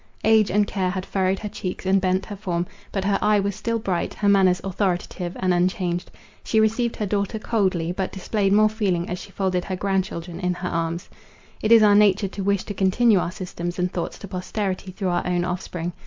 Age and care had furrowed her cheeks, and bent her form; but her eye was still bright, her manners authoritative and unchanged; she received her daughter coldly, but displayed more feeling as she folded her grand children in her arms. It is our nature to wish to continue our systems and thoughts to posterity through our own offspring.